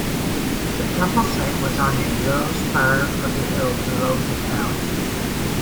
The temple site was on a low spur of the hill, below the town.